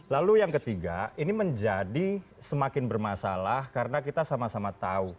lalu yang ketiga ini menjadi semakin bermasalah karena kita sama sama tahu